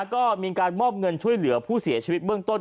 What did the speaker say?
ก็มีการมอบเงินช่วยเหลือผู้เสียชีวิตเบื้องต้น